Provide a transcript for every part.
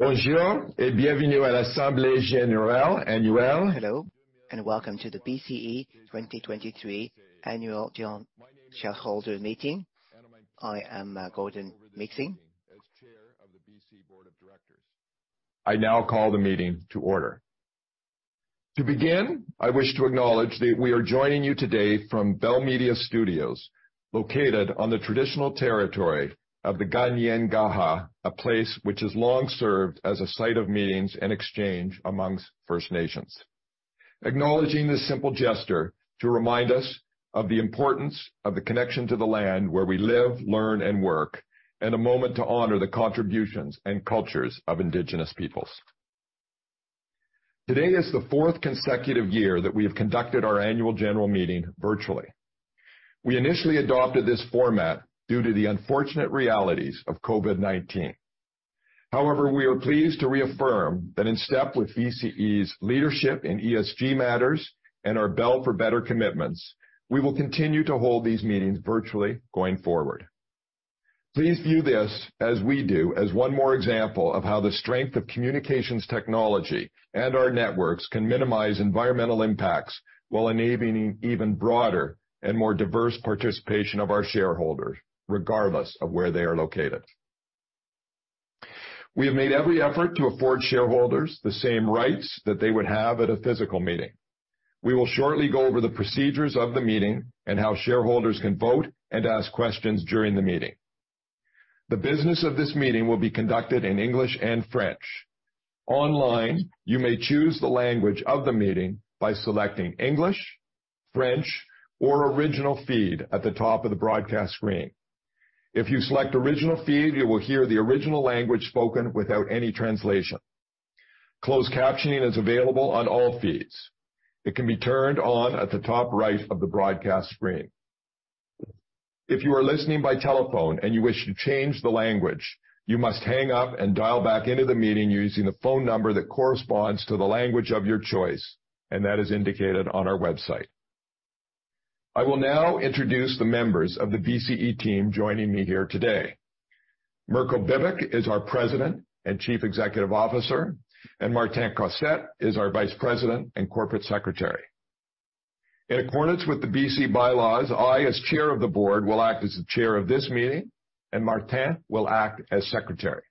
Hello, and welcome to the BCE 2023 annual general shareholder meeting. I am Gordon Nixon. I now call the meeting to order. I wish to acknowledge that we are joining you today from Bell Media Studios, located on the traditional territory of the Kanien'kehá:ka, a place which has long served as a site of meetings and exchange amongst First Nations. Acknowledging this simple gesture to remind us of the importance of the connection to the land where we live, learn, and work, and a moment to honor the contributions and cultures of indigenous peoples. Today is the fourth consecutive year that we have conducted our annual general meeting virtually. We initially adopted this format due to the unfortunate realities of COVID-19. We are pleased to reaffirm that in step with BCE's leadership in ESG matters and our Bell for Better commitments, we will continue to hold these meetings virtually going forward. Please view this, as we do, as one more example of how the strength of communications technology and our networks can minimize environmental impacts while enabling even broader and more diverse participation of our shareholders, regardless of where they are located. We have made every effort to afford shareholders the same rights that they would have at a physical meeting. We will shortly go over the procedures of the meeting and how shareholders can vote and ask questions during the meeting. The business of this meeting will be conducted in English and French. Online, you may choose the language of the meeting by selecting English, French, or original feed at the top of the broadcast screen. If you select original feed, you will hear the original language spoken without any translation. Closed captioning is available on all feeds. It can be turned on at the top right of the broadcast screen. If you are listening by telephone and you wish to change the language, you must hang up and dial back into the meeting using the phone number that corresponds to the language of your choice, and that is indicated on our website. I will now introduce the members of the BCE team joining me here today. Mirko Bibic is our President and Chief Executive Officer, and Martin Cossette is our Vice President and Corporate Secretary. In accordance with the BCE bylaws, I, as Chair of the Board, will act as the Chair of this meeting, and Martin will act as secretary.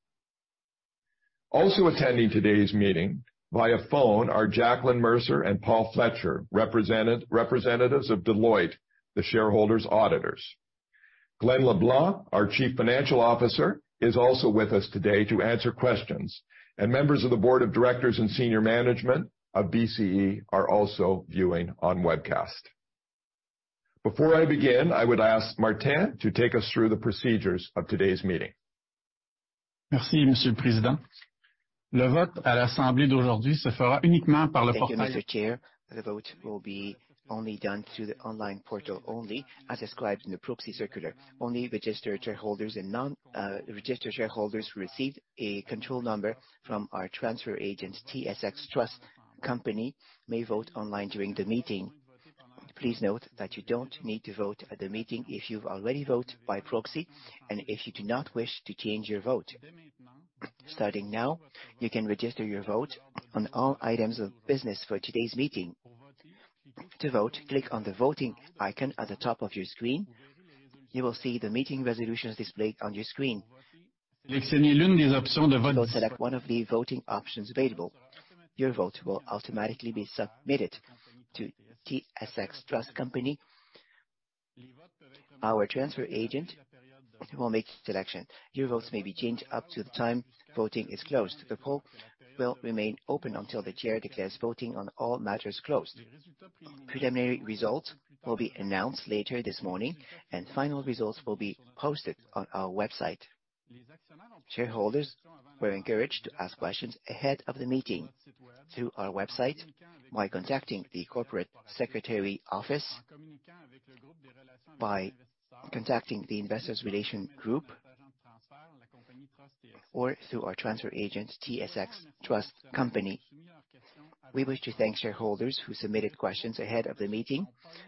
Also attending today's meeting via phone are Jacqueline Mercer and Paul Fletcher, representatives of Deloitte, the shareholders' auditors. Glen LeBlanc, our chief financial officer, is also with us today to answer questions, and members of the Board of Directors and senior management of BCE are also viewing on webcast. Before I begin, I would ask Martin to take us through the procedures of today's meeting. Thank you, Mr. Chair. The vote will be only done through the online portal only, as described in the proxy circular. Only registered shareholders and non-registered shareholders who receive a control number from our transfer agent, TSX Trust Company, may vote online during the meeting. Please note that you don't need to vote at the meeting if you've already vote by proxy and if you do not wish to change your vote. Starting now, you can register your vote on all items of business for today's meeting. To vote, click on the voting icon at the top of your screen. You will see the meeting resolutions displayed on your screen. Please select one of the voting options available. Your vote will automatically be submitted to TSX Trust Company, our transfer agent, who will make a selection. Your votes may be changed up to the time voting is closed. The poll will remain open until the chair declares voting on all matters closed. Preliminary results will be announced later this morning. Final results will be posted on our website. Shareholders were encouraged to ask questions ahead of the meeting through our website by contacting the corporate secretary office, by contacting the investors relation group, or through our transfer agent, TSX Trust Company. We wish to thank shareholders who submitted questions ahead of the meeting.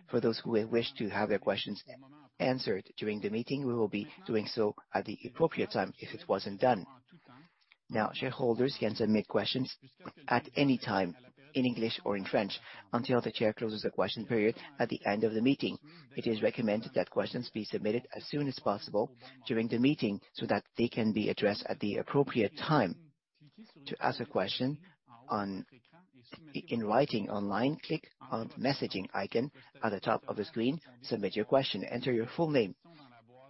For those who have wished to have their questions answered during the meeting, we will be doing so at the appropriate time if it wasn't done. Shareholders can submit questions at any time in English or in French until the chair closes the question period at the end of the meeting. It is recommended that questions be submitted as soon as possible during the meeting so that they can be addressed at the appropriate time. To ask a question in writing online, click on messaging icon at the top of the screen. Submit your question. Enter your full name,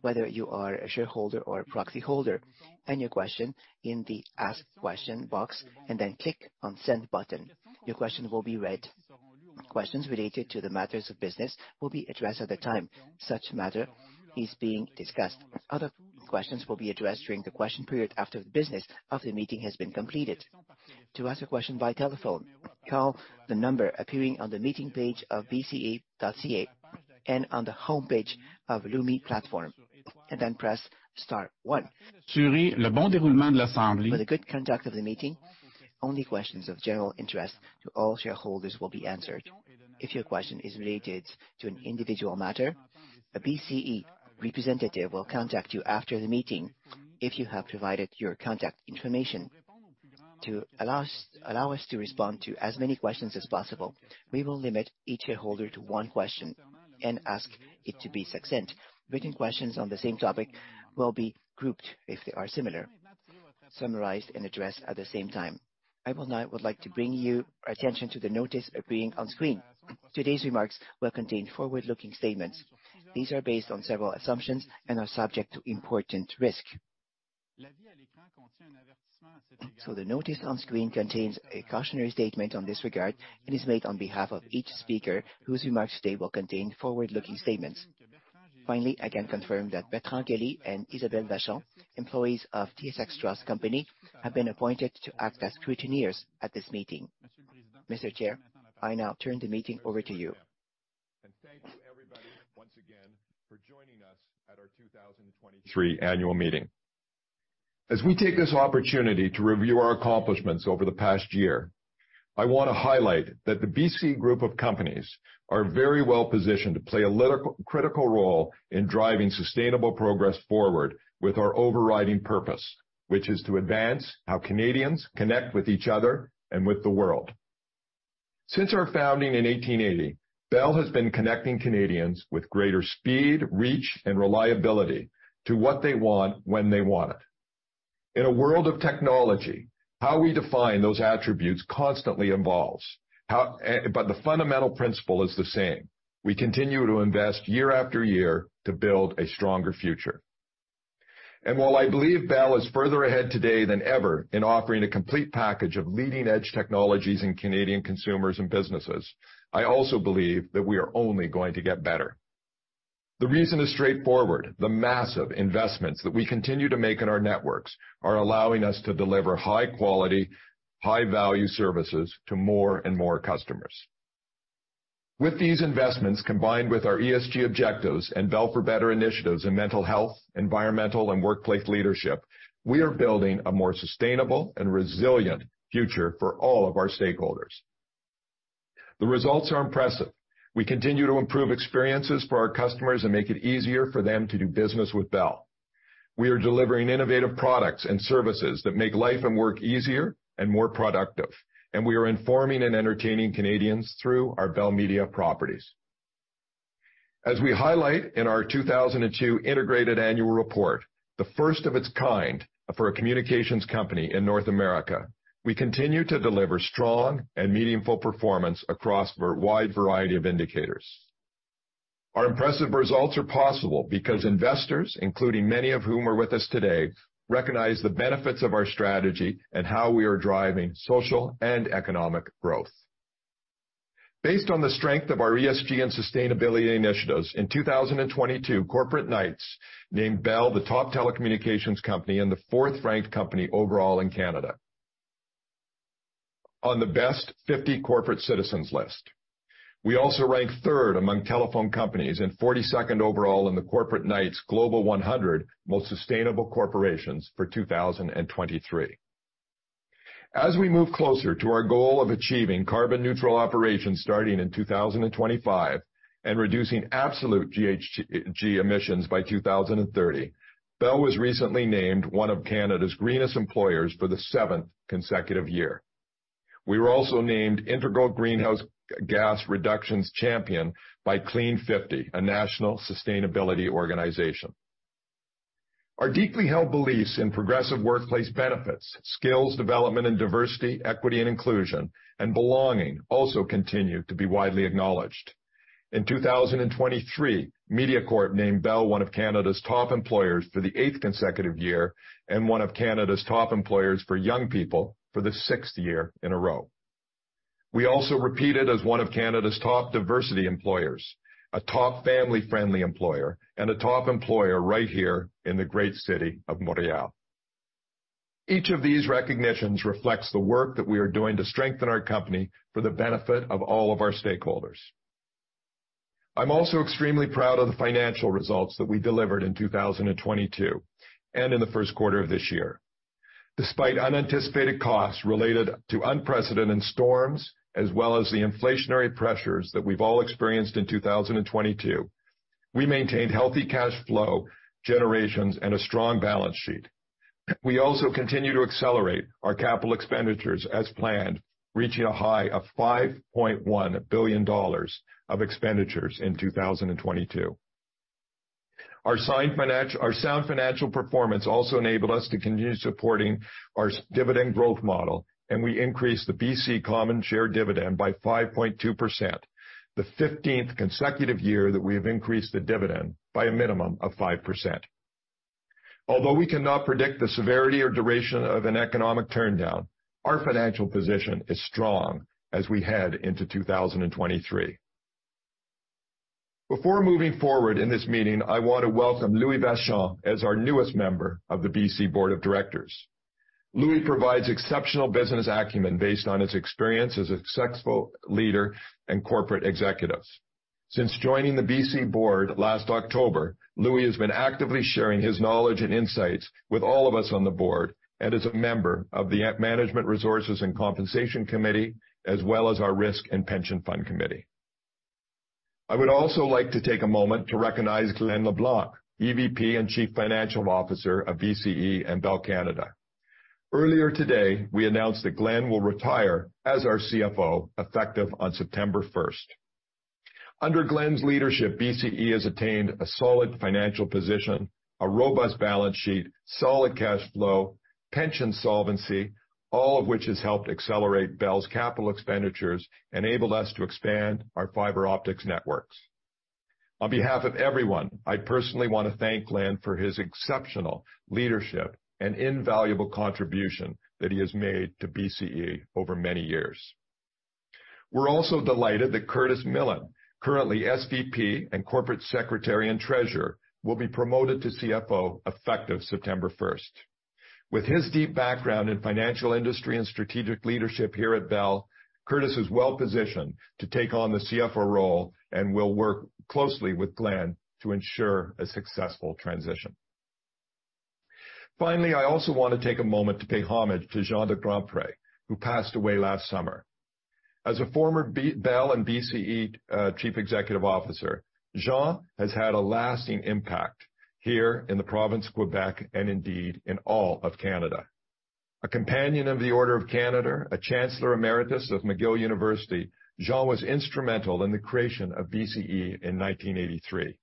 whether you are a shareholder or a proxyholder, and your question in the ask question box and then click on Send button. Your question will be read. Questions related to the matters of business will be addressed at the time such matter is being discussed. Other questions will be addressed during the question period after the business of the meeting has been completed. To ask a question via telephone, call the number appearing on the meeting page of bce.ca and on the homepage of Lumi platform, and then press star one. For the good conduct of the meeting, only questions of general interest to all shareholders will be answered. If your question is related to an individual matter, a BCE representative will contact you after the meeting if you have provided your contact information. To allow us to respond to as many questions as possible, we will limit each shareholder to one question and ask it to be succinct. Written questions on the same topic will be grouped if they are similar, summarized and addressed at the same time. I would like to bring you attention to the notice appearing on screen. Today's remarks will contain forward-looking statements. These are based on several assumptions and are subject to important risk. The notice on screen contains a cautionary statement on this regard and is made on behalf of each speaker whose remarks today will contain forward-looking statements. Finally, I can confirm that Bertrand Kelly and Isabelle Vachon, employees of TSX Trust Company, have been appointed to act as scrutineers at this meeting. Mr. Chair, I now turn the meeting over to you. Thank you, everybody, once again, for joining us at our 2023 annual meeting. As we take this opportunity to review our accomplishments over the past year, I want to highlight that the BCE group of companies are very well-positioned to play a critical role in driving sustainable progress forward with our overriding purpose, which is to advance how Canadians connect with each other and with the world. Since our founding in 1880, Bell has been connecting Canadians with greater speed, reach, and reliability to what they want when they want it. In a world of technology, how we define those attributes constantly evolves. The fundamental principle is the same. We continue to invest year after year to build a stronger future. While I believe Bell is further ahead today than ever in offering a complete package of leading-edge technologies in Canadian consumers and businesses, I also believe that we are only going to get better. The reason is straightforward. The massive investments that we continue to make in our networks are allowing us to deliver high quality, high value services to more and more customers. With these investments, combined with our ESG objectives and Bell for Better initiatives in mental health, environmental, and workplace leadership, we are building a more sustainable and resilient future for all of our stakeholders. The results are impressive. We continue to improve experiences for our customers and make it easier for them to do business with Bell. We are delivering innovative products and services that make life and work easier and more productive, and we are informing and entertaining Canadians through our Bell Media properties. As we highlight in our 2002 integrated annual report, the first of its kind for a communications company in North America, we continue to deliver strong and meaningful performance across a wide variety of indicators. Our impressive results are possible because investors, including many of whom are with us today, recognize the benefits of our strategy and how we are driving social and economic growth. Based on the strength of our ESG and sustainability initiatives, in 2022, Corporate Knights named Bell the top telecommunications company and the 4th-ranked company overall in Canada on the best 50 corporate citizens list. We also ranked third among telephone companies and 42nd overall in the Corporate Knights Global 100 Most Sustainable Corporations for 2023. As we move closer to our goal of achieving carbon neutral operations starting in 2025 and reducing absolute GHG emissions by 2030, Bell was recently named one of Canada's greenest employers for the 7th consecutive year. We were also named integral Greenhouse Gas Reductions Champion by Clean50, a national sustainability organization. Our deeply held beliefs in progressive workplace benefits, skills, development, and diversity, equity and inclusion, and belonging also continue to be widely acknowledged. In 2023, Mediacorp named Bell one of Canada's top employers for the eigth consecutive year and one of Canada's top employers for young people for the sixth year in a row. We also repeated as one of Canada's top diversity employers, a top family-friendly employer, and a top employer right here in the great city of Montréal. Each of these recognitions reflects the work that we are doing to strengthen our company for the benefit of all of our stakeholders. I'm also extremely proud of the financial results that we delivered in 2022 and in the first quarter of this year. Despite unanticipated costs related to unprecedented storms as well as the inflationary pressures that we've all experienced in 2022, we maintained healthy cash flow generations and a strong balance sheet. We also continue to accelerate our capital expenditures as planned, reaching a high of 5.1 billion dollars of expenditures in 2022. Our sound financial performance also enabled us to continue supporting our dividend growth model, and we increased the BCE common share dividend by 5.2%, the 15th consecutive year that we have increased the dividend by a minimum of 5%. Although we cannot predict the severity or duration of an economic turndown, our financial position is strong as we head into 2023. Before moving forward in this meeting, I want to welcome Louis Vachon as our newest member of the BCE Board of Directors. Louis provides exceptional business acumen based on his experience as a successful leader and corporate executive. Since joining the BCE Board last October, Louis has been actively sharing his knowledge and insights with all of us on the board and is a member of the Management Resources and Compensation Committee, as well as our Risk and Pension Fund Committee. I would also like to take a moment to recognize Glen LeBlanc, EVP and Chief Financial Officer of BCE and Bell Canada. Earlier today, we announced that Glen will retire as our CFO, effective on September 1st. Under Glen's leadership, BCE has attained a solid financial position, a robust balance sheet, solid cash flow, pension solvency, all of which has helped accelerate Bell's capital expenditures, enabled us to expand our fiber optics networks. On behalf of everyone, I personally wanna thank Glen for his exceptional leadership and invaluable contribution that he has made to BCE over many years. We're also delighted that Curtis Mallett, currently SVP and corporate secretary and treasurer, will be promoted to CFO effective September 1st. With his deep background in financial industry and strategic leadership here at Bell, Curtis is well-positioned to take on the CFO role and will work closely with Glenn to ensure a successful transition. I also want to take a moment to pay homage to Jean de Grandpré, who passed away last summer. As a former Bell and BCE chief executive officer, Jean has had a lasting impact here in the province of Quebec and indeed in all of Canada. A companion of the Order of Canada, a chancellor emeritus of McGill University, Jean was instrumental in the creation of BCE in 1983.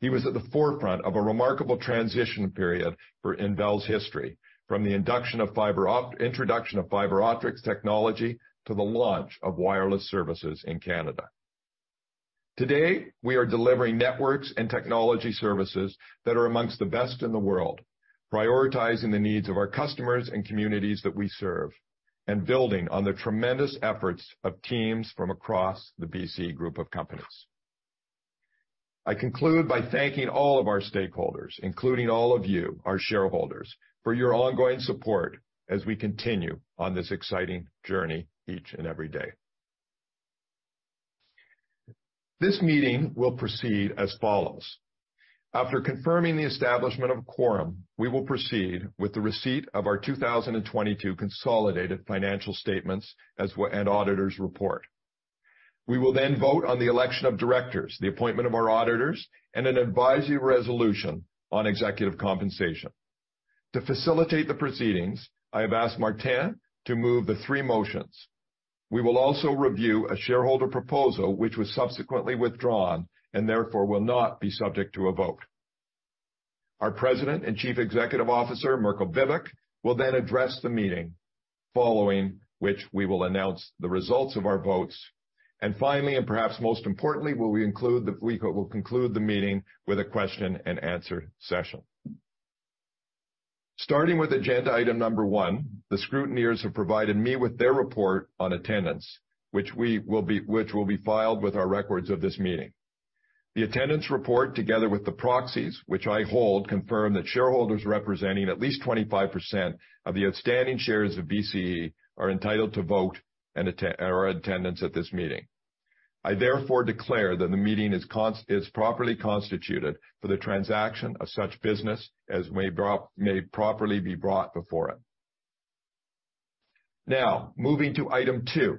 He was at the forefront of a remarkable transition period for... In Bell's history from the introduction of fiber optics technology to the launch of wireless services in Canada. Today, we are delivering networks and technology services that are amongst the best in the world, prioritizing the needs of our customers and communities that we serve and building on the tremendous efforts of teams from across the BCE group of companies. I conclude by thanking all of our stakeholders, including all of you, our shareholders, for your ongoing support as we continue on this exciting journey each and every day. This meeting will proceed as follows: After confirming the establishment of quorum, we will proceed with the receipt of our 2022 consolidated financial statements and auditor's report. We will then vote on the election of directors, the appointment of our auditors, and an advisory resolution on executive compensation. To facilitate the proceedings, I have asked Martin to move the three motions. We will also review a shareholder proposal which was subsequently withdrawn and therefore will not be subject to a vote. Our President and Chief Executive Officer, Mirko Bibic, will then address the meeting, following which we will announce the results of our votes. Finally, and perhaps most importantly, we will conclude the meeting with a question-and-answer session. Starting with agenda item number 1, the scrutineers have provided me with their report on attendance, which will be filed with our records of this meeting. The attendance report, together with the proxies, which I hold, confirm that shareholders representing at least 25% of the outstanding shares of BCE are entitled to vote and attendance at this meeting. I therefore declare that the meeting is properly constituted for the transaction of such business as may properly be brought before it. Moving to item 2.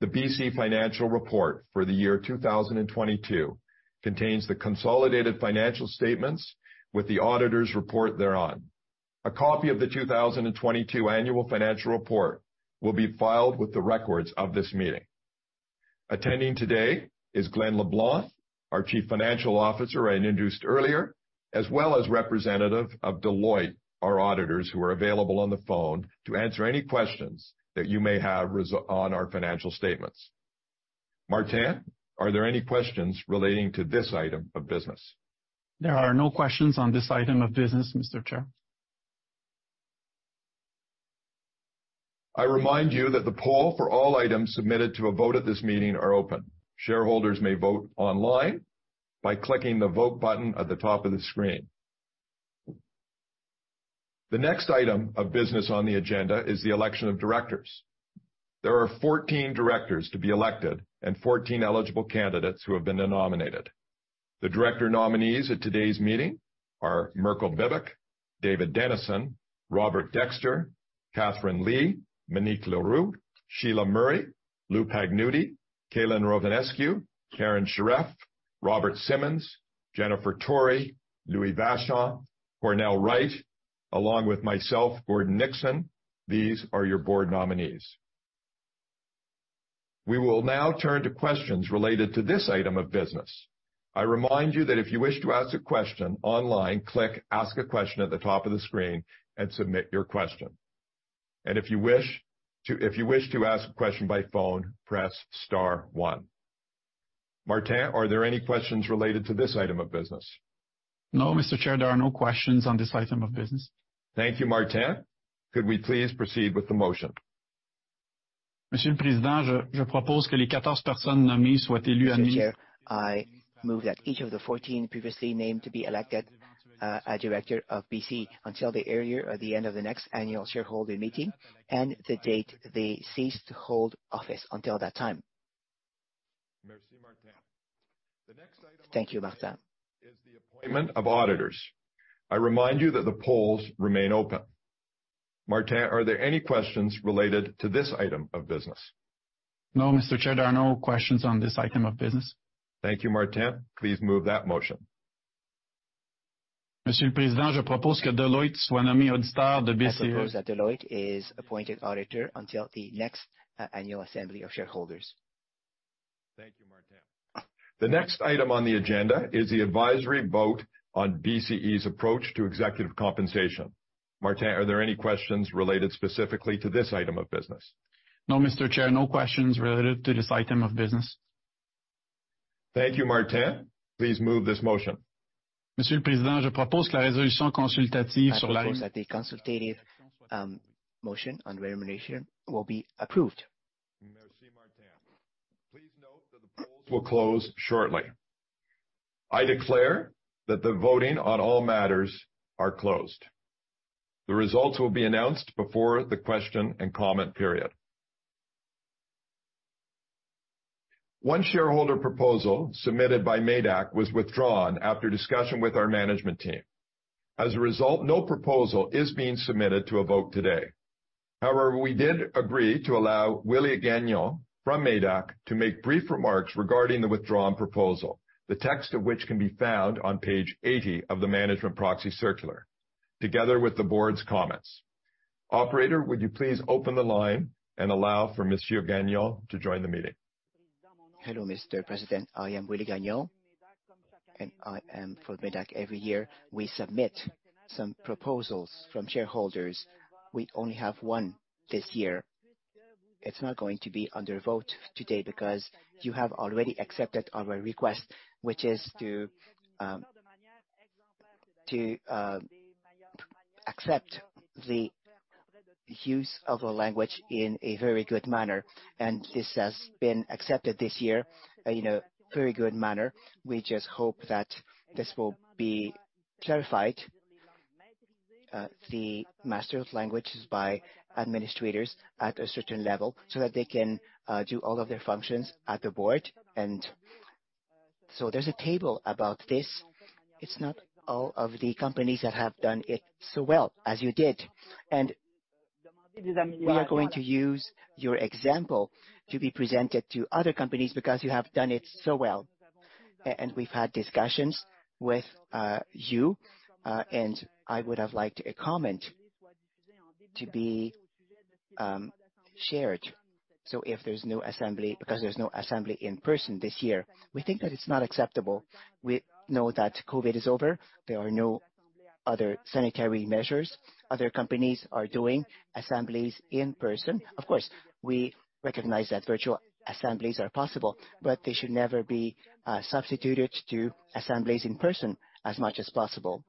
The BCE financial report for the year 2022 contains the consolidated financial statements with the auditor's report thereon. A copy of the 2022 annual financial report will be filed with the records of this meeting. Attending today is Glen LeBlanc, our chief financial officer I introduced earlier, as well as representative of Deloitte, our auditors, who are available on the phone to answer any questions that you may have on our financial statements. Martin, are there any questions relating to this item of business? There are no questions on this item of business, Mr. Chair. I remind you that the poll for all items submitted to a vote at this meeting are open. Shareholders may vote online by clicking the Vote button at the top of the screen. The next item of business on the agenda is the election of directors. There are 14 Directors to be elected and 14 eligible candidates who have been nominated. The Director nominees at today's meeting are Mirko Bibic, David Denison, Robert Dexter, Katherine Lee, Monique Leroux, Sheila Murray, Lou Pagnutti, Calin Rovinescu, Karen Sheriff, Robert Simmonds, Jennifer Tory, Louis Vachon, Cornell Wright, along with myself, Gordon Nixon. These are your board nominees. We will now turn to questions related to this item of business. I remind you that if you wish to ask a question online, click Ask a Question at the top of the screen and submit your question. If you wish to ask a question by phone, press star one. Martin, are there any questions related to this item of business? No, Mr. Chair, there are no questions on this item of business. Thank you, Martin. Could we please proceed with the motion? Mr. Chair, I move that each of the 14 previously named to be elected, a director of BCE until the earlier or the end of the next annual shareholder meeting and the date they ceased to hold office until that time. Thank you, Martin. Of auditors. I remind you that the polls remain open. Martin, are there any questions related to this item of business? No, Mr. Chair, there are no questions on this item of business. Thank you, Martin. Please move that motion. I propose that Deloitte is appointed auditor until the next annual assembly of shareholders. Thank you, Martin. The next item on the agenda is the advisory vote on BCE's approach to executive compensation. Martin, are there any questions related specifically to this item of business? No, Mr. Chair. No questions related to this item of business. Thank you, Martin. Please move this motion. I propose that the consultative, motion on remuneration will be approved. Merci, Martin. Please note that the polls will close shortly. I declare that the voting on all matters are closed. The results will be announced before the question and comment period. One shareholder proposal submitted by MÉDAC was withdrawn after discussion with our management team. As a result, no proposal is being submitted to a vote today. However, we did agree to allow Willy Gagnon from MÉDAC to make brief remarks regarding the withdrawn proposal, the text of which can be found on page 80 of the management proxy circular, together with the board's comments. Operator, would you please open the line and allow for Monsieur Gagnon to join the meeting? Hello, Mr. President. I am Willy Gagnon, and I am for MÉDAC. Every year we submit some proposals from shareholders. We only have one this year. It's not going to be under vote today because you have already accepted our request, which is to accept the use of a language in a very good manner and this has been accepted this year in a very good manner. We just hope that this will be clarified, the master of languages by administrators at a certain level so that they can do all of their functions at the Board. So there's a table about this. It's not all of the companies that have done it so well as you did. We are going to use your example to be presented to other companies because you have done it so well. We've had discussions with you, and I would have liked a comment to be shared. If there's no assembly because there's no assembly in person this year, we think that it's not acceptable. We know that COVID is over. There are no other sanitary measures. Other companies are doing assemblies in person. Of course, we recognize that virtual assemblies are possible, but they should never be substituted to assemblies in person as much as possible.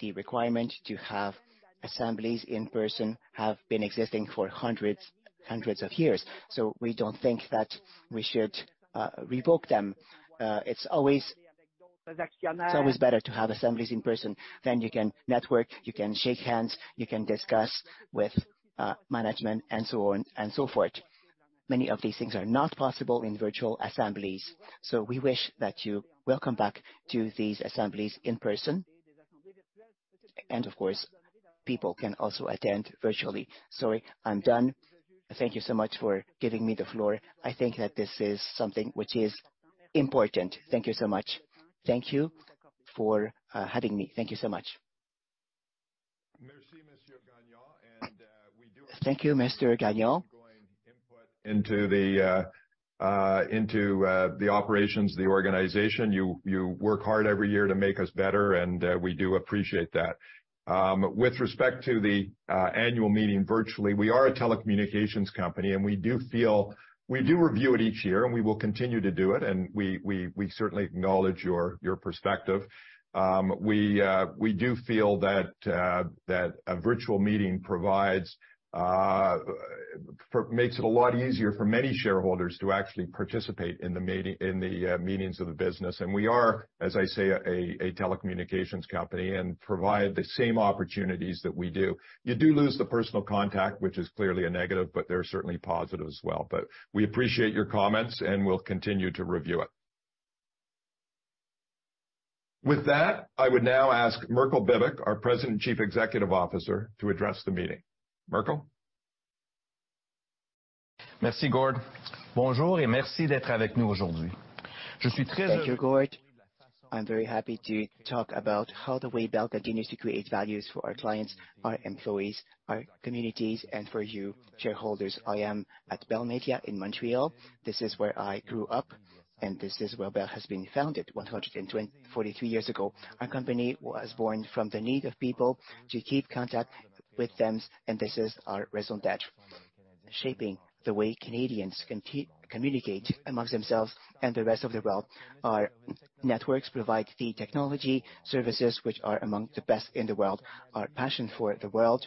The requirement to have assemblies in person have been existing for hundreds of years, so we don't think that we should revoke them. It's always better to have assemblies in person. You can network, you can shake hands, you can discuss with management and so on and so forth. Many of these things are not possible in virtual assemblies. We wish that you welcome back to these assemblies in person. Of course, people can also attend virtually. Sorry, I'm done. Thank you so much for giving me the floor. I think that this is something which is important. Thank you so much. Thank you for having me. Thank you so much. Merci, Monsieur Gagnon, we do appreciate. Thank you, Mr. Gagnon. your ongoing input into the into the operations of the organization. You work hard every year to make us better and we do appreciate that. With respect to the annual meeting virtually, we are a telecommunications company, and we do review it each year and we will continue to do it, and we certainly acknowledge your perspective. We do feel that that a virtual meeting provides for makes it a lot easier for many shareholders to actually participate in the meetings of the business. We are, as I say, a telecommunications company and provide the same opportunities that we do. You do lose the personal contact, which is clearly a negative, but there are certainly positives as well. We appreciate your comments, and we'll continue to review it. With that, I would now ask Mirko Bibic, our President and Chief Executive Officer, to address the meeting. Mirko? Merci, Gordon. Thank you, Gordon. I'm very happy to talk about how the way Bell continues to create values for our clients, our employees, our communities, and for you shareholders. I am at Bell Media in Montreal. This is where I grew up, and this is where Bell has been founded 143 years ago. Our company was born from the need of people to keep contact with them, and this is our raison d'être, shaping the way Canadians communicate amongst themselves and the rest of the world. Our networks provide the technology services which are among the best in the world. Our passion for the world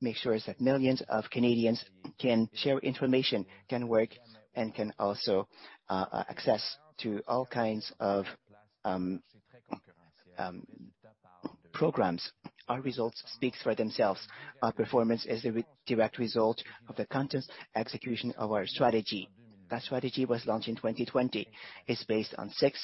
makes sure that millions of Canadians can share information, can work, and can also access to all kinds of Programs. Our results speak for themselves. Our performance is a direct result of the content execution of our strategy. That strategy was launched in 2020. It's based on six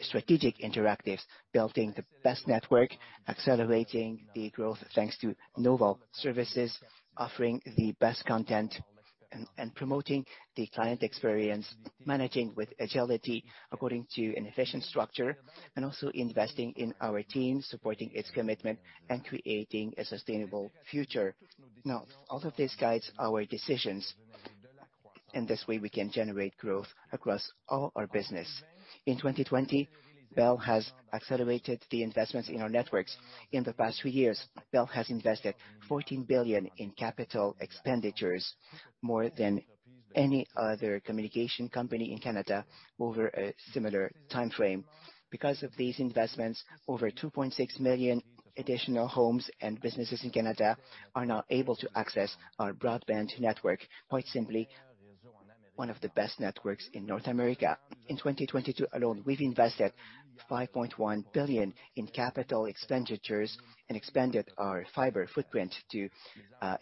strategic imperatives: building the best network, accelerating the growth thanks to novel services, offering the best content, and promoting the client experience, managing with agility according to an efficient structure, and also investing in our team, supporting its commitment, and creating a sustainable future. All of this guides our decisions, and this way we can generate growth across all our business. In 2020, Bell has accelerated the investments in our networks. In the past three years, Bell has invested 14 billion in CapEx, more than any other communication company in Canada over a similar timeframe. Because of these investments, over 2.6 million additional homes and businesses in Canada are now able to access our broadband network, quite simply, one of the best networks in North America. In 2022 alone, we've invested 5.1 billion in CapEx and expanded our fiber footprint to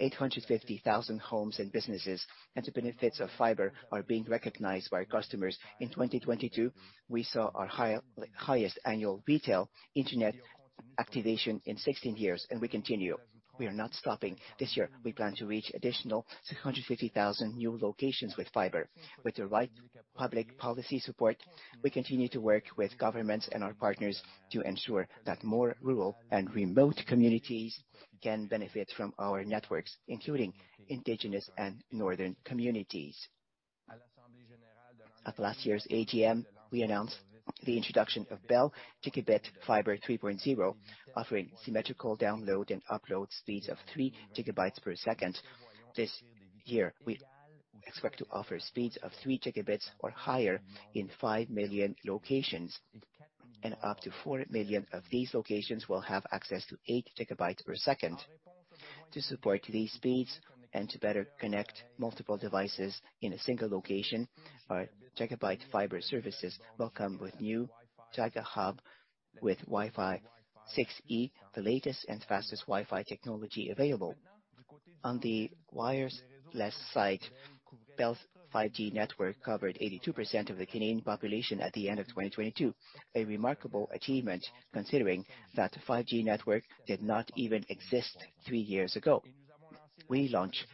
850,000 homes and businesses. The benefits of fiber are being recognized by our customers. In 2022, we saw our highest annual retail internet activation in 16 years. We continue. We are not stopping. This year, we plan to reach additional 650,000 new locations with fiber. With the right public policy support, we continue to work with governments and our partners to ensure that more rural and remote communities can benefit from our networks, including Indigenous and northern communities. At last year's AGM, we announced the introduction of Bell Gigabit Fiber 3.0, offering symmetrical download and upload speeds of 3 GB per second. This year, we expect to offer speeds of 3 Gb or higher in 5 million locations, and up to 4 million of these locations will have access to 8 Gb per second. To support these speeds, and to better connect multiple devices in a single location, our Gigabit Fiber services will come with new Giga Hub with Wi-Fi 6E, the latest and fastest Wi-Fi technology available. On the wireless side, Bell's 5G network covered 82% of the Canadian population at the end of 2022, a remarkable achievement considering that 5G network did not even exist three years ago. We launched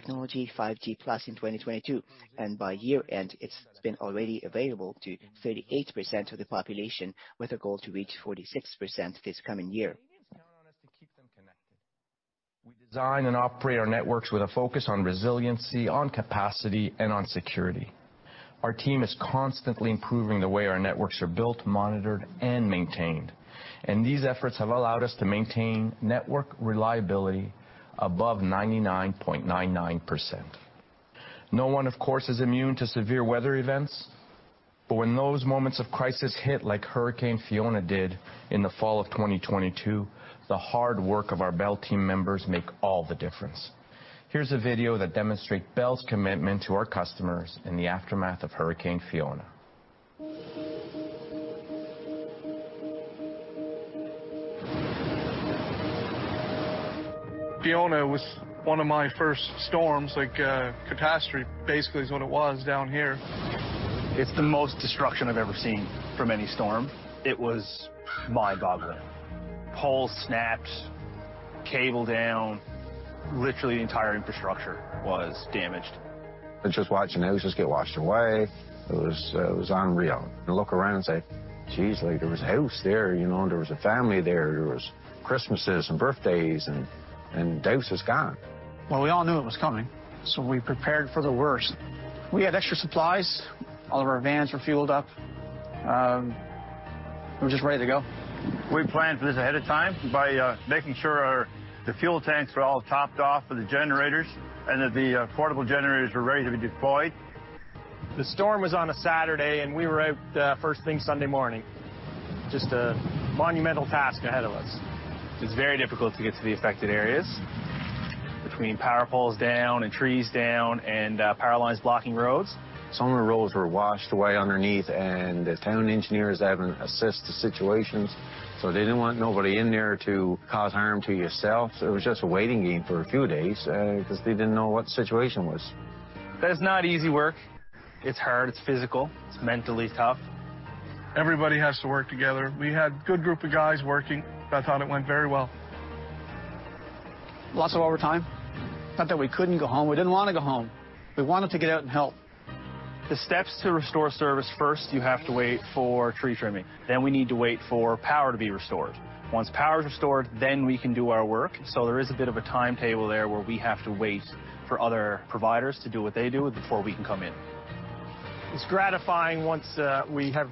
technology 5G+ in 2022, and by year end, it's been already available to 38% of the population, with a goal to reach 46% this coming year. Canadians count on us to keep them connected. We design and operate our networks with a focus on resiliency, on capacity, and on security. Our team is constantly improving the way our networks are built, monitored, and maintained. These efforts have allowed us to maintain network reliability above 99.99%. No one, of course, is immune to severe weather events. When those moments of crisis hit like Hurricane Fiona did in the fall of 2022, the hard work of our Bell team members make all the difference. Here's a video that demonstrate Bell's commitment to our customers in the aftermath of Hurricane Fiona. Fiona was one of my first storms, like, a catastrophe, basically is what it was down here. It's the most destruction I've ever seen from any storm. It was mind-boggling. Poles snapped, cable down. Literally the entire infrastructure was damaged. Just watching houses get washed away, it was unreal. You look around and say, "Geez, like there was a house there, you know, and there was a family there. There was Christmases and birthdays, and the house is gone. Well, we all knew it was coming, so we prepared for the worst. We had extra supplies. All of our vans were fueled up. We were just ready to go. We planned for this ahead of time by making sure our, the fuel tanks were all topped off of the generators and that the portable generators were ready to be deployed. The storm was on a Saturday, and we were out, first thing Sunday morning. Just a monumental task ahead of us. It's very difficult to get to the affected areas between power poles down and trees down and power lines blocking roads. Some of the roads were washed away underneath, and the town engineers are having to assess the situations, so they didn't want nobody in there to cause harm to yourself. It was just a waiting game for a few days, 'cause they didn't know what the situation was. It's not easy work. It's hard, it's physical, it's mentally tough. Everybody has to work together. We had a good group of guys working. I thought it went very well. Lots of overtime. Not that we couldn't go home, we didn't want to go home. We wanted to get out and help. The steps to restore service, first you have to wait for tree trimming, then we need to wait for power to be restored. Once power's restored, then we can do our work. There is a bit of a timetable there where we have to wait for other providers to do what they do before we can come in. It's gratifying once we have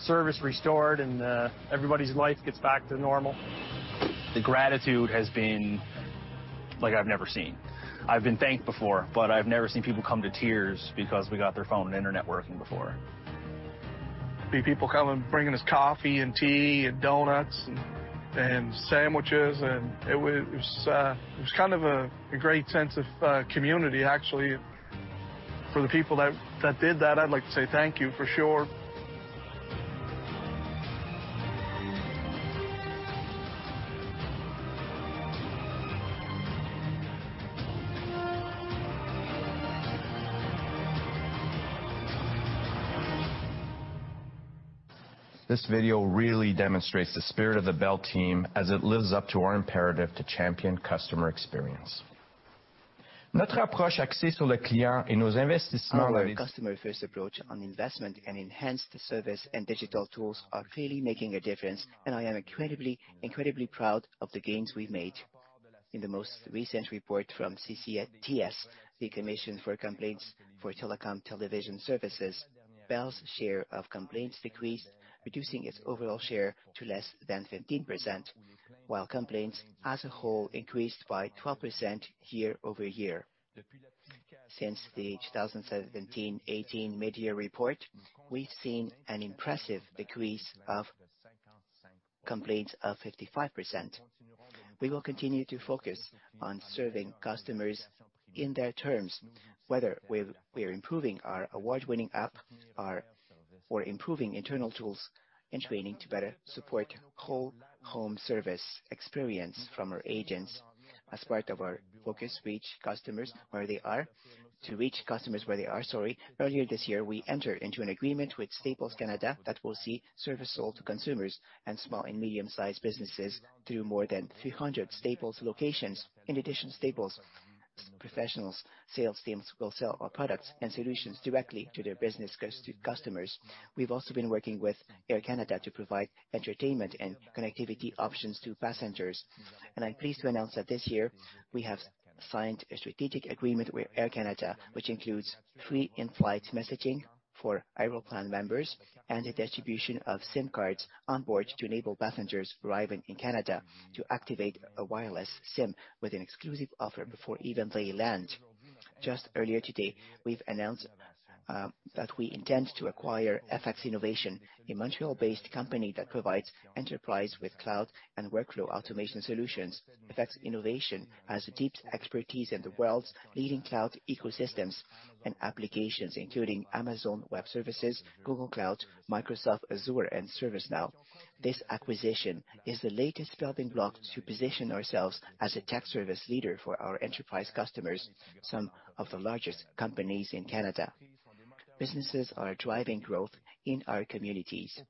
service restored and everybody's life gets back to normal. The gratitude has been like I've never seen. I've been thanked before, but I've never seen people come to tears because we got their phone and internet working before. The people coming, bringing us coffee and tea and donuts and sandwiches and it was. It was kind of a great sense of community actually. For the people that did that, I'd like to say thank you for sure. This video really demonstrates the spirit of the Bell team as it lives up to our imperative to champion customer experience. Our customer-first approach on investment and enhanced service and digital tools are clearly making a difference, and I am incredibly proud of the gains we've made. In the most recent report from CCTS, the Commission for Complaints for Telecom-television Services, Bell's share of complaints decreased, reducing its overall share to less than 15%, while complaints as a whole increased by 12% year-over-year. Since the 2017-18 mid-year report, we've seen an impressive decrease of complaints of 55%. We will continue to focus on serving customers in their terms, whether we're improving our award-winning app or improving internal tools and training to better support whole home service experience from our agents as part of our focus reach customers where they are. To reach customers where they are, sorry. Earlier this year, we entered into an agreement with Staples Canada that will see service sold to consumers and small and medium-sized businesses through more than 300 Staples locations. In addition, Staples Professional sales teams will sell our products and solutions directly to their business customers. We've also been working with Air Canada to provide entertainment and connectivity options to passengers. I'm pleased to announce that this year we have signed a strategic agreement with Air Canada, which includes free in-flight messaging for Aeroplan members and the distribution of SIM cards onboard to enable passengers arriving in Canada to activate a wireless SIM with an exclusive offer before even they land. Just earlier today, we've announced that we intend to acquire FX INNOVATION, a Montreal-based company that provides enterprise with cloud and workflow automation solutions. FX INNOVATION has a deep expertise in the world's leading cloud ecosystems and applications, including Amazon Web Services, Google Cloud, Microsoft Azure, and ServiceNow. This acquisition is the latest building block to position ourselves as a tech service leader for our enterprise customers, some of the largest companies in Canada. Businesses are driving growth in our communities.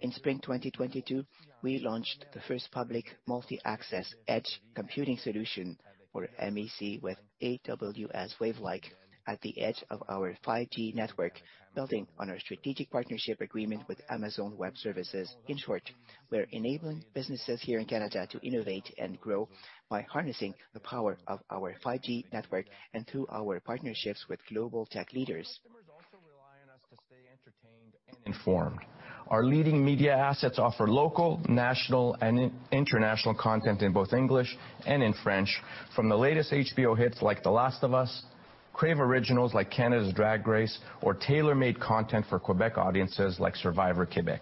In spring 2022, we launched the first public multi-access edge computing solution or MEC with AWS Wavelength at the edge of our 5G network, building on our strategic partnership agreement with Amazon Web Services. In short, we're enabling businesses here in Canada to innovate and grow by harnessing the power of our 5G network and through our partnerships with global tech leaders. Our customers also rely on us to stay entertained and informed. Our leading media assets offer local, national, and international content in both English and in French from the latest HBO hits like The Last of Us, Crave originals like Canada's Drag Race or tailor-made content for Quebec audiences like Survivor Québec.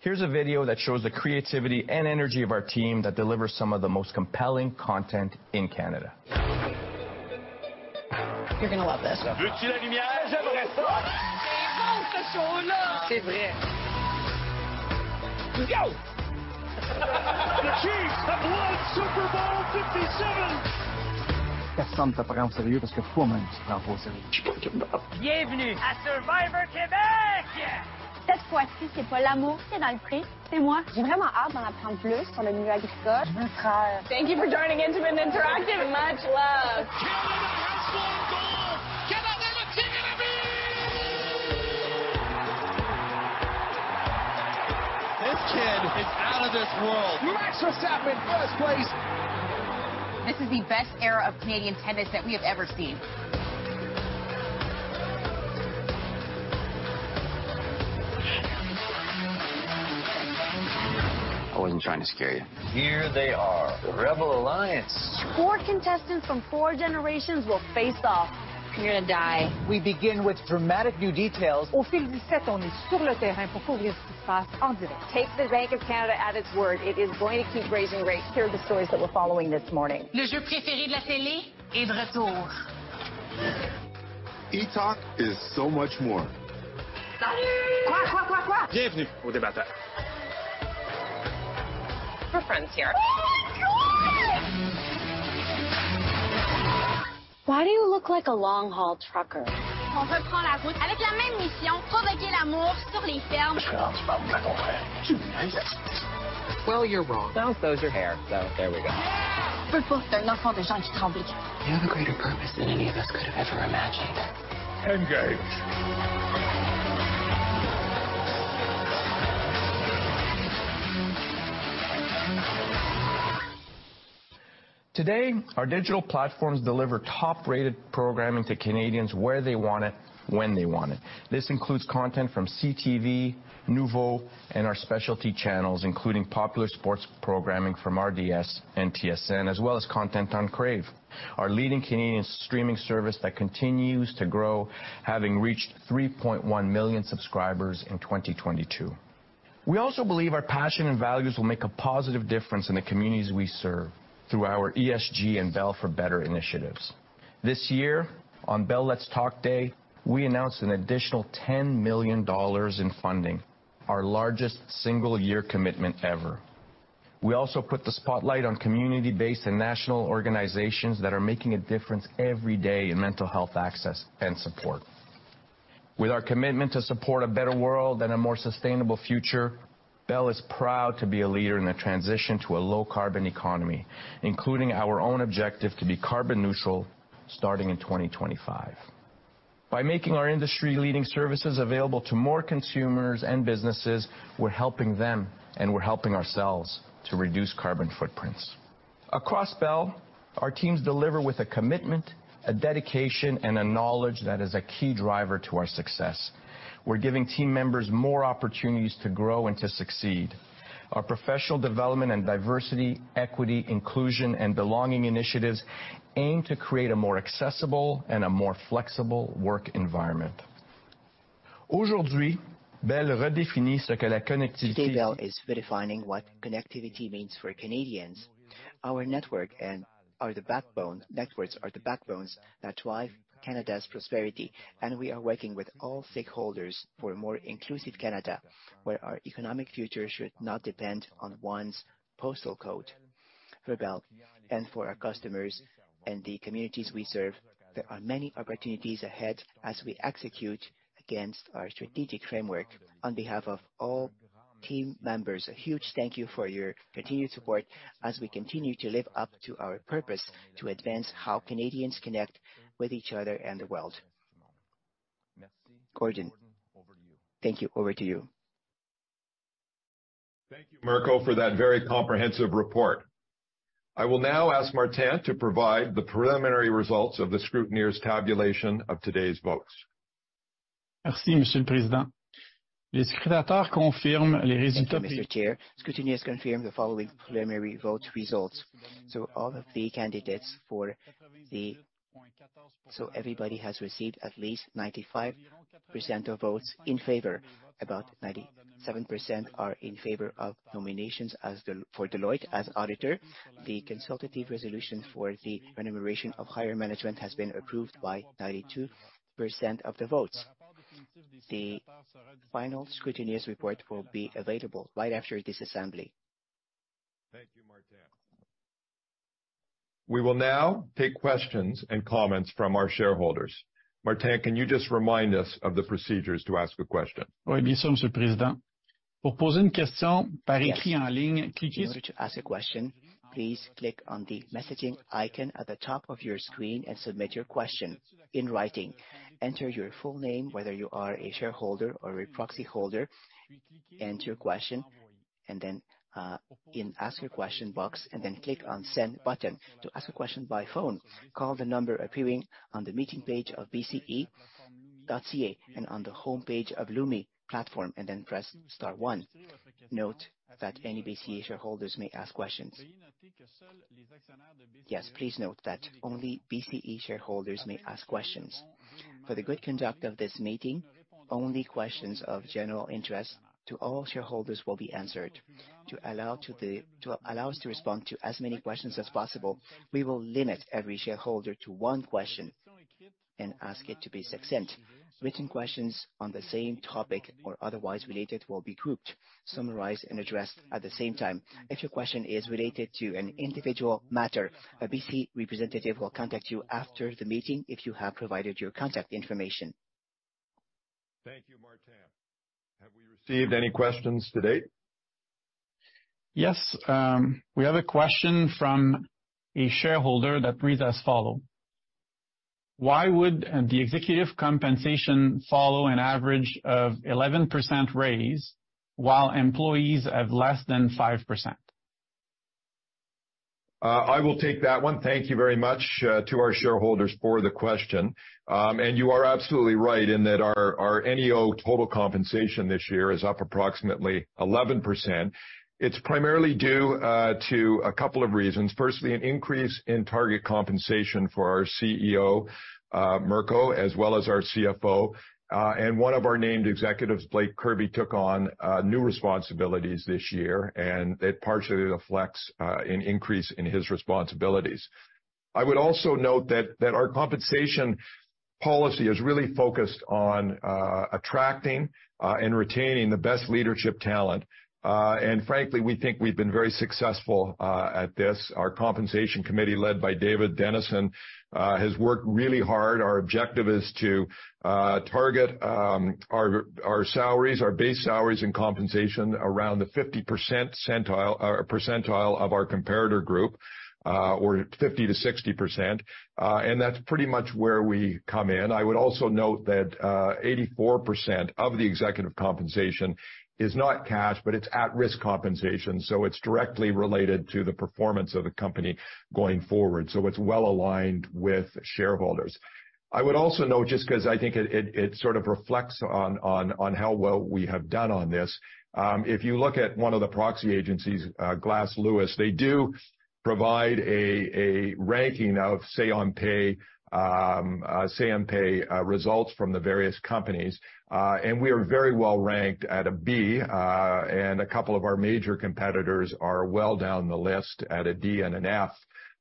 Here's a video that shows the creativity and energy of our team that delivers some of the most compelling content in Canada. You're gonna love this. Let's go. The Chiefs have won Super Bowl LVII. Welcome to Survivor Québec. This time, it's not love that's in the price, it's me. I really can't wait to learn more about the agricultural world. I want to work. Thank you for joining L'Amour est dans le pré. Much love. Canada has scored a goal. Canada has tied the game. This kid is out of this world. Max Verstappen, first place. This is the best era of Canadian tennis that we have ever seen. I wasn't trying to scare you. Here they are, the Rebel Alliance. Four contestants from four generations will face off. You're gonna die. We begin with dramatic new details. Take the Bank of Canada at its word. It is going to keep raising rates. Here are the stories that we're following this morning. etalk is so much more. Salut. Welcome to the debate. We're friends here. Oh my God. Why do you look like a long-haul trucker? We hit the road again with the same mission: to promote love on the farms. Well, you're wrong. Is your hair, so there we go. You have a greater purpose than any of us could have ever imagined. End game. Today, our digital platforms deliver top-rated programming to Canadians where they want it, when they want it. This includes content from CTV, Noovo, and our specialty channels, including popular sports programming from RDS and TSN, as well as content on Crave, our leading Canadian streaming service that continues to grow, having reached 3.1 million subscribers in 2022. We also believe our passion and values will make a positive difference in the communities we serve through our ESG and Bell for Better initiatives. This year, on Bell Let's Talk Day, we announced an additional 10 million dollars in funding, our largest single year commitment ever. We also put the spotlight on community-based and national organizations that are making a difference every day in mental health access and support. With our commitment to support a better world and a more sustainable future, Bell is proud to be a leader in the transition to a low carbon economy, including our own objective to be carbon neutral starting in 2025. By making our industry leading services available to more consumers and businesses, we're helping them and we're helping ourselves to reduce carbon footprints. Across Bell, our teams deliver with a commitment, a dedication, and a knowledge that is a key driver to our success. We're giving team members more opportunities to grow and to succeed. Our professional development and diversity, equity, inclusion and belonging initiatives aim to create a more accessible and a more flexible work environment. Today, Bell is redefining what connectivity means for Canadians. Our network and are the backbone... Networks are the backbones that drive Canada's prosperity, and we are working with all stakeholders for a more inclusive Canada, where our economic future should not depend on one's postal code. For Bell and for our customers and the communities we serve, there are many opportunities ahead as we execute against our strategic framework. On behalf of all team members, a huge thank you for your continued support as we continue to live up to our purpose to advance how Canadians connect with each other and the world. Gordon, thank you. Over to you. Thank you, Mirko, for that very comprehensive report. I will now ask Martin to provide the preliminary results of the scrutineer's tabulation of today's votes. Thank you, Mr. Chair. Scrutineers confirm the following preliminary vote results. Everybody has received at least 95% of votes in favor. About 97% are in favor of nominations for Deloitte as auditor. The consultative resolution for the remuneration of higher management has been approved by 92% of the votes. The final scrutineers report will be available right after this assembly. Thank you, Martin. We will now take questions and comments from our shareholders. Martin, can you just remind us of the procedures to ask a question? In order to ask a question, please click on the messaging icon at the top of your screen and submit your question in writing. Enter your full name, whether you are a shareholder or a proxy holder, enter your question, then, in ask your question box and then click on Send button. To ask a question by phone, call the number appearing on the meeting page of bce.ca and on the homepage of Lumi platform then press star 1. Note that any BCE shareholders may ask questions. Please note that only BCE shareholders may ask questions. For the good conduct of this meeting, only questions of general interest to all shareholders will be answered. To allow us to respond to as many questions as possible, we will limit every shareholder to one question and ask it to be succinct. Written questions on the same topic or otherwise related will be grouped, summarized, and addressed at the same time. If your question is related to an individual matter, a BCE representative will contact you after the meeting if you have provided your contact information. Thank you, Martin. Have we received any questions to date? Yes, we have a question from a shareholder that reads as follow: Why would the executive compensation follow an average of 11% raise while employees have less than 5%? I will take that one. Thank you very much to our shareholders for the question. You are absolutely right in that our NEO total compensation this year is up approximately 11%. It's primarily due to a couple of reasons. Firstly, an increase in target compensation for our CEO, Mirko, as well as our CFO, and one of our named executives, Blaik Kirby, took on new responsibilities this year, and it partially reflects an increase in his responsibilities. I would also note that our compensation policy is really focused on attracting and retaining the best leadership talent. Frankly, we think we've been very successful at this. Our compensation committee, led by David Denison, has worked really hard. Our objective is to target our salaries, our base salaries and compensation around the 50% centile, percentile of our comparator group, or 50%-60%. That's pretty much where we come in. I would also note that 84% of the executive compensation is not cash, but it's at-risk compensation, so it's directly related to the performance of the company going forward. It's well aligned with shareholders. I would also note, just because I think it sort of reflects on how well we have done on this. If you look at one of the proxy agencies, Glass Lewis, they do provide a ranking of say on pay results from the various companies. We are very well ranked at a B, and a couple of our major competitors are well down the list at a D and an F.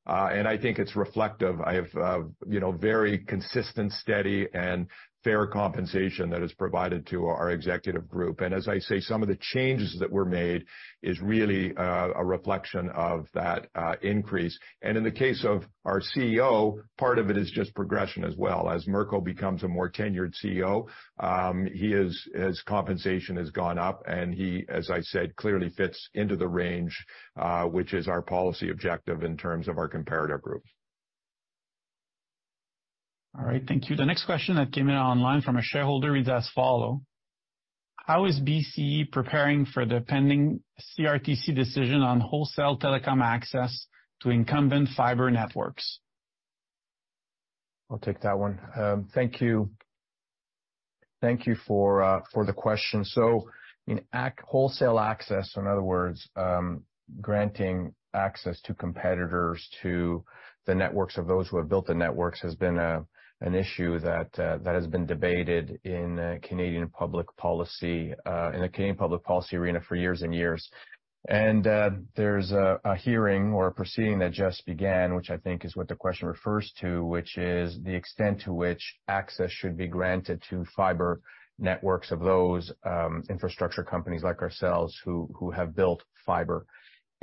I think it's reflective of, you know, very consistent, steady, and fair compensation that is provided to our executive group. As I say, some of the changes that were made is really a reflection of that increase. In the case of our CEO, part of it is just progression as well. As Mirko becomes a more tenured CEO, his compensation has gone up, and he, as I said, clearly fits into the range, which is our policy objective in terms of our comparator group. All right. Thank you. The next question that came in online from a shareholder reads as follow: How is BCE preparing for the pending CRTC decision on wholesale telecom access to incumbent fiber networks? I'll take that one. Thank you. Thank you for the question. In wholesale access, in other words, granting access to competitors to the networks of those who have built the networks, has been an issue that has been debated in Canadian public policy in the Canadian public policy arena for years and years. There's a hearing or a proceeding that just began, which I think is what the question refers to, which is the extent to which access should be granted to fiber networks of those infrastructure companies like ourselves who have built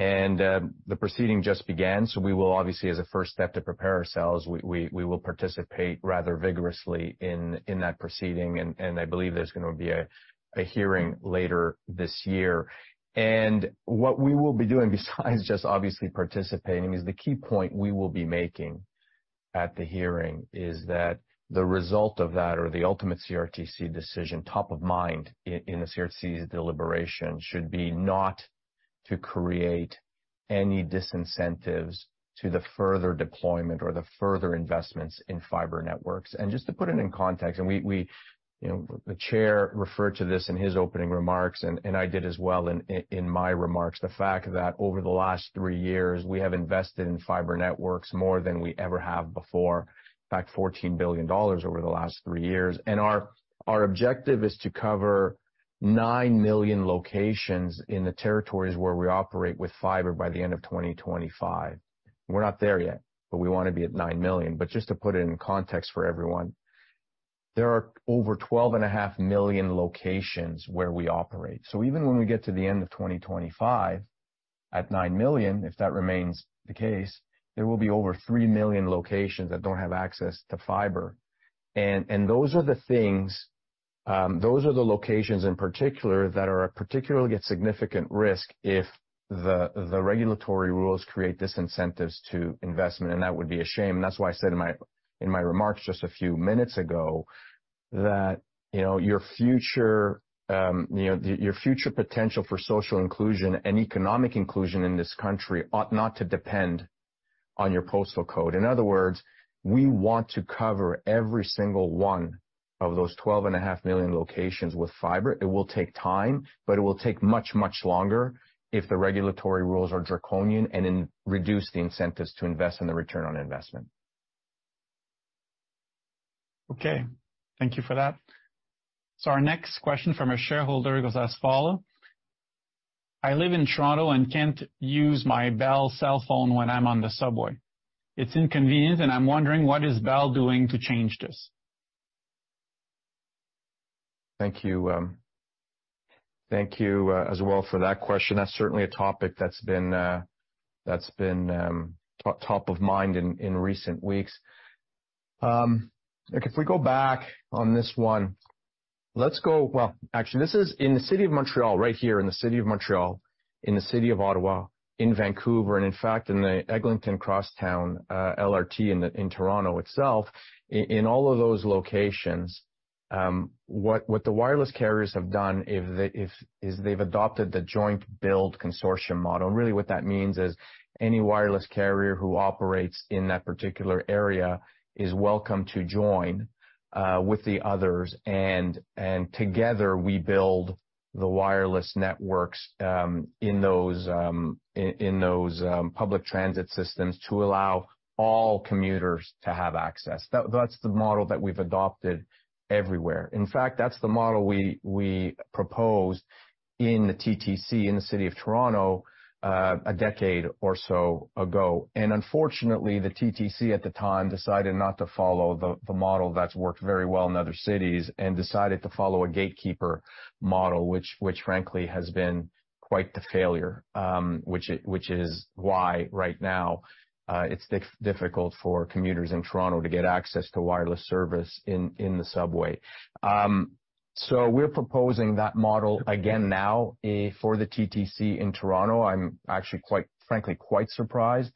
fiber. The proceeding just began, so we will obviously, as a first step to prepare ourselves, we will participate rather vigorously in that proceeding. I believe there's gonna be a hearing later this year. What we will be doing besides just obviously participating is the key point we will be making at the hearing is that the result of that or the ultimate CRTC decision top of mind in the CRTC's deliberation should be not to create any disincentives to the further deployment or the further investments in fiber networks. Just to put it in context, and we, you know, the chair referred to this in his opening remarks and I did as well in my remarks, the fact that over the last three years, we have invested in fiber networks more than we ever have before, in fact, 14 billion dollars over the last three years. Our objective is to cover 9 million locations in the territories where we operate with fiber by the end of 2025. We're not there yet, we wanna be at 9 million. Just to put it in context for everyone, there are over 12.5 million locations where we operate. Even when we get to the end of 2025, at 9 million, if that remains the case, there will be over 3 million locations that don't have access to fiber. Those are the things, those are the locations in particular that are a particularly at significant risk if the regulatory rules create disincentives to investment, and that would be a shame. That's why I said in my remarks just a few minutes ago that, you know, your future, you know, your future potential for social inclusion and economic inclusion in this country ought not to depend on your postal code. In other words, we want to cover every single one of those 12.5 million locations with fiber. It will take time, but it will take much, much longer if the regulatory rules are draconian and then reduce the incentives to invest in the return on investment. Okay. Thank you for that. Our next question from a shareholder goes as follows: I live in Toronto and can't use my Bell cellphone when I'm on the subway. It's inconvenient, and I'm wondering, what is Bell doing to change this? Thank you. Thank you as well for that question. That's certainly a topic that's been that's been top of mind in recent weeks. If we go back on this one, actually, this is in the city of Montreal, right here in the city of Montreal, in the city of Ottawa, in Vancouver, and in fact, in the Eglinton Crosstown LRT in Toronto itself. In all of those locations, what the wireless carriers have done is they've adopted the joint build consortium model. Really what that means is any wireless carrier who operates in that particular area is welcome to join with the others. Together, we build the wireless networks in those public transit systems to allow all commuters to have access. That's the model that we've adopted everywhere. In fact, that's the model we proposed in the TTC in the city of Toronto, 10 years or so ago. Unfortunately, the TTC at the time decided not to follow the model that's worked very well in other cities and decided to follow a gatekeeper model, which frankly has been quite the failure. Which is why right now, it's difficult for commuters in Toronto to get access to wireless service in the subway. We're proposing that model again now, for the TTC in Toronto. I'm actually quite, frankly, quite surprised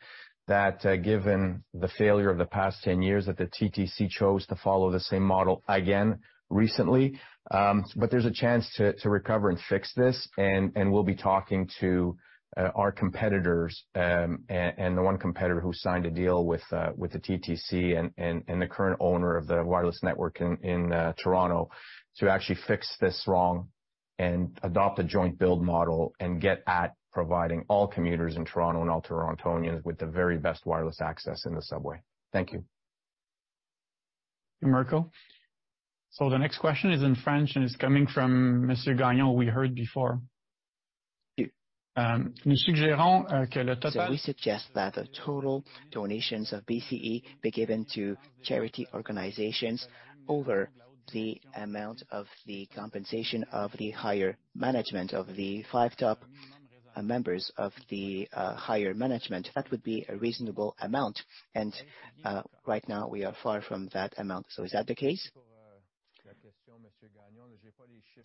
that given the failure of the past 10 years that the TTC chose to follow the same model again recently. There's a chance to recover and fix this, and we'll be talking to our competitors, and the one competitor who signed a deal with the TTC and the current owner of the wireless network in Toronto to actually fix this wrong and adopt a joint build model and get at providing all commuters in Toronto and all Torontonians with the very best wireless access in the subway. Thank you. Mirko. The next question is in French, and it's coming from Monsieur Gagnon, who we heard before. We suggest that the total donations of BCE be given to charity organizations over the amount of the compensation of the higher management of the five top members of the higher management. That would be a reasonable amount. Right now, we are far from that amount. Is that the case?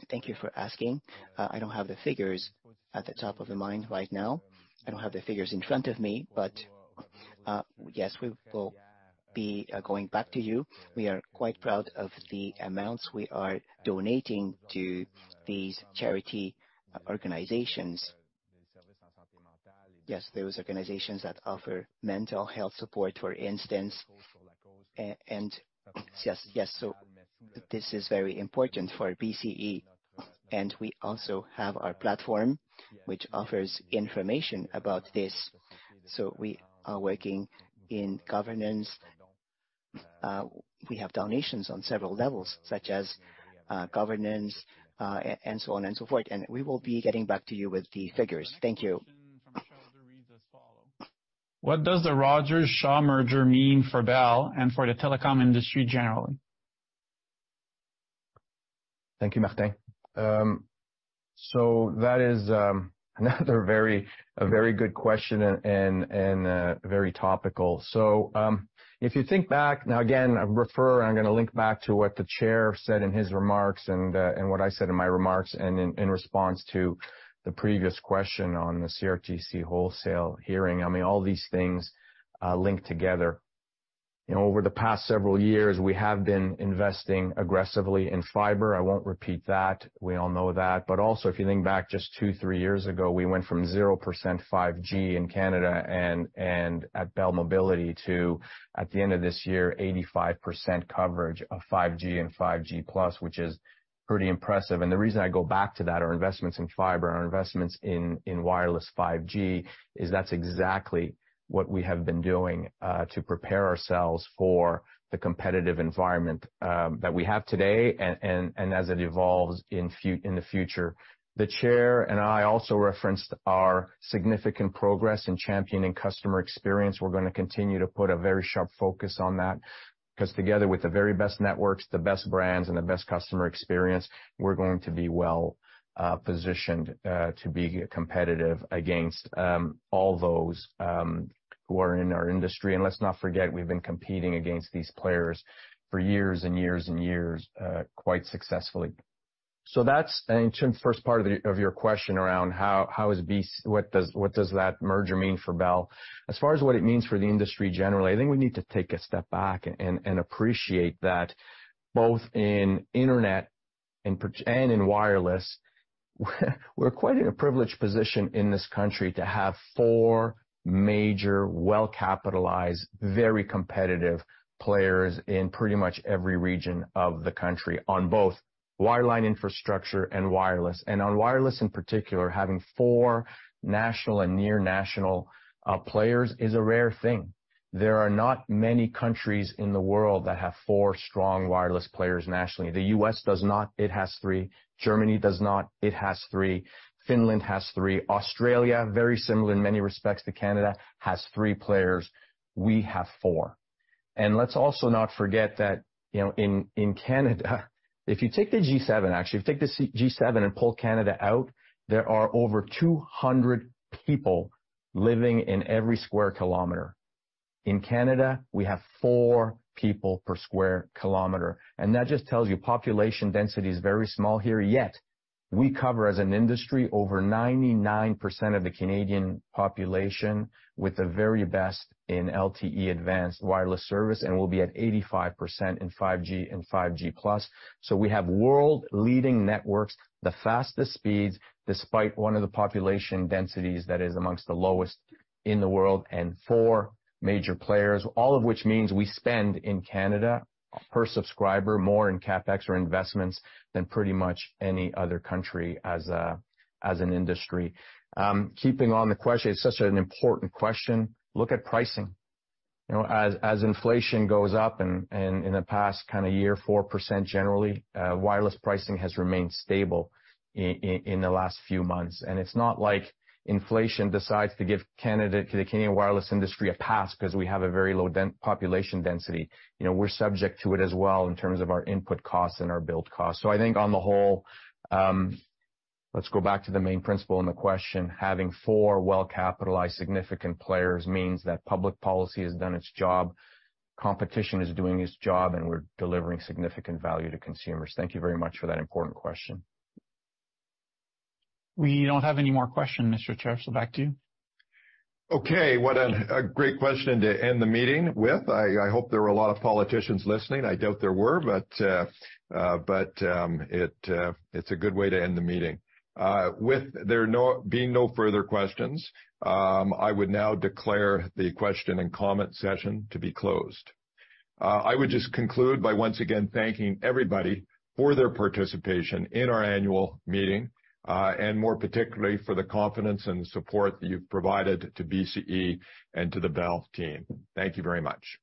Thank you for asking. I don't have the figures at the top of the mind right now. I don't have the figures in front of me, but yes, we will be going back to you. We are quite proud of the amounts we are donating to these charity organizations. Yes, those organizations that offer mental health support, for instance. And yes, this is very important for BCE, and we also have our platform, which offers information about this. We are working in governance. We have donations on several levels, such as, governance, and so on and so forth. We will be getting back to you with the figures. Thank you. What does the Rogers-Shaw merger mean for Bell and for the telecom industry generally? Thank you, Martin. That is another very good question and very topical. If you think back, now again, I'm gonna link back to what the chair said in his remarks and what I said in my remarks and in response to the previous question on the CRTC wholesale hearing. I mean, all these things link together. You know, over the past several years, we have been investing aggressively in fiber. I won't repeat that. We all know that. Also, if you think back just two, three years ago, we went from 0% 5G in Canada and at Bell Mobility to, at the end of this year, 85% coverage of 5G and 5G+, which is pretty impressive. The reason I go back to that, our investments in fiber and our investments in wireless 5G, is that's exactly what we have been doing to prepare ourselves for the competitive environment that we have today and as it evolves in the future. The chair and I also referenced our significant progress in championing customer experience. We're gonna continue to put a very sharp focus on that, because together with the very best networks, the best brands and the best customer experience, we're going to be well positioned to be competitive against all those who are in our industry. Let's not forget, we've been competing against these players for years and years and years, quite successfully. That's... To the first part of your question around how is what does that merger mean for Bell? As far as what it means for the industry generally, I think we need to take a step back and appreciate that both in internet and in wireless, we're quite in a privileged position in this country to have four major, well-capitalized, very competitive players in pretty much every region of the country on both wireline infrastructure and wireless. On wireless in particular, having four national and near national players is a rare thing. There are not many countries in the world that have four strong wireless players nationally. The U.S. does not. It has three. Germany does not. It has three. Finland has three. Australia, very similar in many respects to Canada, has three players. We have four. Let's also not forget that, you know, in Canada, if you take the G7, actually, if you take the G7 and pull Canada out, there are over 200 people living in every square kilometer. In Canada, we have 4 people per sq km, and that just tells you population density is very small here, yet we cover, as an industry, over 99% of the Canadian population with the very best in LTE Advanced wireless service and will be at 85% in 5G and 5G+. We have world-leading networks, the fastest speeds, despite one of the population densities that is amongst the lowest in the world and four major players, all of which means we spend in Canada per subscriber more in CapEx or investments than pretty much any other country as an industry. Keeping on the question, it's such an important question. Look at pricing. You know, as inflation goes up and in the past kind of year, 4% generally, wireless pricing has remained stable in the last few months. It's not like inflation decides to give the Canadian wireless industry a pass because we have a very low population density. You know, we're subject to it as well in terms of our input costs and our build cost. I think on the whole, let's go back to the main principle in the question. Having four well-capitalized significant players means that public policy has done its job, competition is doing its job, and we're delivering significant value to consumers. Thank you very much for that important question. We don't have any more questions, Mr. Chair, so back to you. Okay. What a great question to end the meeting with. I hope there were a lot of politicians listening. I doubt there were, but it's a good way to end the meeting. With there being no further questions, I would now declare the question and comment session to be closed. I would just conclude by once again thanking everybody for their participation in our annual meeting, and more particularly for the confidence and support that you've provided to BCE and to the Bell team. Thank you very much.